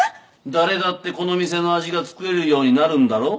誰だってこの店の味が作れるようになるんだろ？